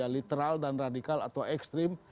literal dan radikal atau ekstrim